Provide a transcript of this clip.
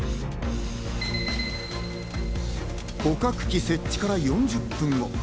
捕獲器設置から４０分後。